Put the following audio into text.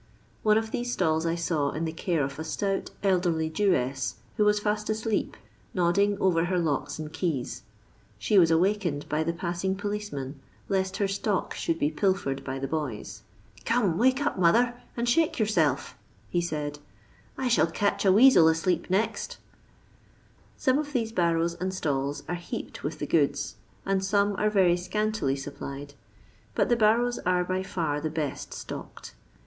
One of these stalls I saw in the care of a stout elderly Jewess, who was ^t asleep, nodding over her locks and keys. She was awakened by the passing policeman, lest her stock should be pil fered by the boys :Gome, wake up, mother, and shake yourself," he said, " I shall c:itch a weazel asleep next" Some of these barrows and stalls are heaped with the goods, and some are very scantily sup plied, but the barrows are by for the best stocked.